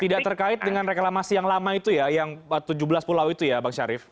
tidak terkait dengan reklamasi yang lama itu ya yang tujuh belas pulau itu ya bang syarif